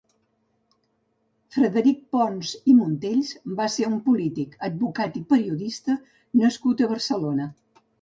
Frederic Pons i Montells va ser un polític, advocat i periodista nascut a Barcelona.